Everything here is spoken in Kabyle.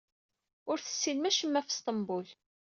Ur tessinem acemma ɣef Sṭembul.